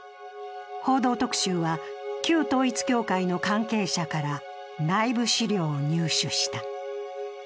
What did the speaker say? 「報道特集」は、旧統一教会の関係者から内部資料を入手した。